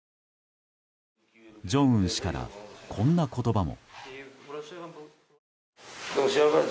正恩氏からこんな言葉も。